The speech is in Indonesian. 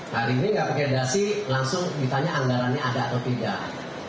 hari ini nggak pakai dasi langsung ditanya anggarannya ada atau tidak